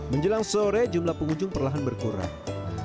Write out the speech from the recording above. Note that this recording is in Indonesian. menjelang sore jumlah pengunjung perlahan berkurang